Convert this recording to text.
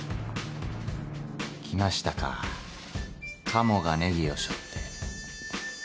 来ましたかカモがネギを背負って。